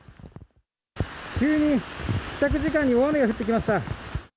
急に、帰宅時間に大雨が降ってきました。